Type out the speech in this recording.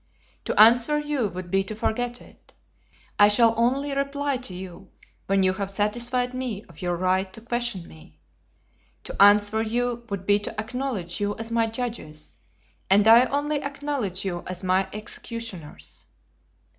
To answer you would be to forget it. I shall only reply to you when you have satisfied me of your right to question me. To answer you would be to acknowledge you as my judges, and I only acknowledge you as my executioners."